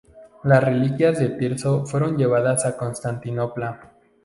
Las reliquias de Tirso fueron llevadas a Constantinopla.